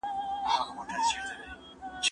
دوی چي ول پيسې به په بټوه کي وي باره په جېب کي وې